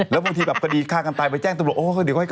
แล้วบางทีแบบคดีฆ่ากันตายไปแจ้งตำรวจโอ้เดี๋ยวก็ให้กันด้วยก่อน